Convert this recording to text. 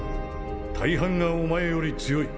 大半がお前より強い